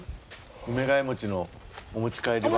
梅ヶ枝餅のお持ち帰りは。